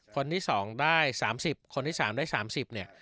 คนที่๒ได้๓๐คนที่๓ได้๓๐เนี่ย